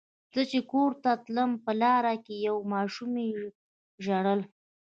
زه چې کور ته تلم په لاره کې یوې ماشومې ژړل.